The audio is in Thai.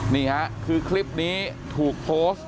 นี่ค่ะคือคลิปนี้ถูกโพสต์